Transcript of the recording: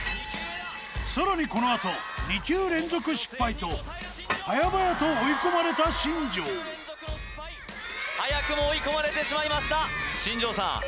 さらにこのあとと早々と追い込まれた新庄早くも追い込まれてしまいました新庄さん